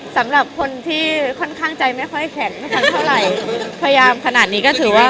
สำหรับคนที่ค่อนข้างใจไม่ค่อยแข็งไม่ทันเท่าไหร่พยายามขนาดนี้ก็ถือว่า